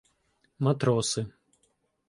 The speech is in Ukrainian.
Матроси.